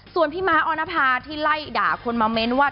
ส่วนพี่ม้าออนภาที่ไล่ด่าคนมาเมนต์ว่า